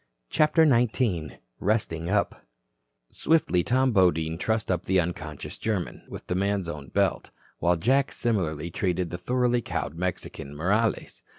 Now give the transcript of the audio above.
CHAPTER XIX RESTING UP Swiftly Tom Bodine trussed up the unconscious German with the man's own belt, while Jack similarly treated the thoroughly cowed Mexican, Morales.